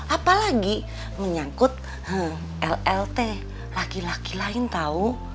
apalagi menyangkut llt laki laki lain tahu